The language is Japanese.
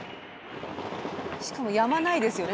しかもやまないですよね